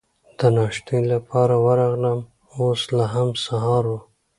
د ناشتې لپاره ورغلم، اوس لا سهار و.